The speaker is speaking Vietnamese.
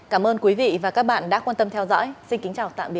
cảm ơn quý vị và các bạn đã quan tâm theo dõi xin kính chào tạm biệt và hẹn gặp lại